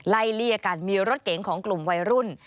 เลี่ยกันมีรถเก๋งของกลุ่มวัยรุ่น